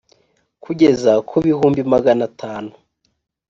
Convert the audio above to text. kugeza ku bihumbi magana atanu